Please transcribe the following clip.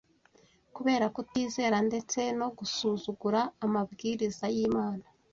Kubera kutizera ndetse no gusuzugura amabwiriza y’Imana